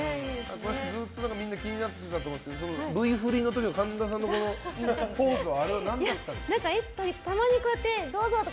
ずっとみんなが気になってたと思うんですけどＶ振りの時の神田さんのポーズはあれは何だったんですか？